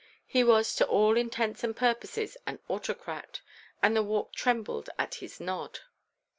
He was to all intents and purposes an autocrat, and the Walk trembled at his nod.